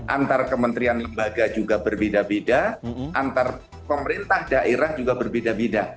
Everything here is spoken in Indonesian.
antar kementerian lembaga juga berbeda beda antar pemerintah daerah juga berbeda beda